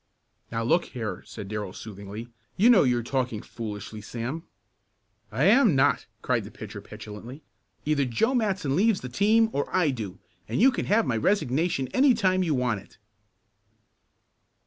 "Now, look here," said Darrell soothingly, "you know you're talking foolishly, Sam." "I am not!" cried the pitcher petulantly. "Either Joe Matson leaves the team or I do, and you can have my resignation any time you want it!"